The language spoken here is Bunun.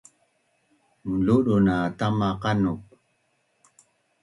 Munludun na tama qanup